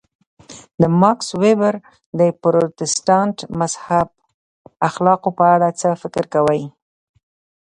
د ماکس وېبر د پروتستانت مذهب اخلاقو په اړه څه فکر کوئ.